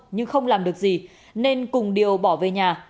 nhưng không làm được gì nên cùng điều bỏ về nhà